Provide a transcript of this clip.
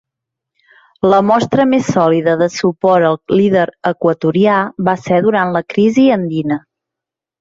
La mostra més sòlida de suport al líder equatorià va ser durant la crisi andina.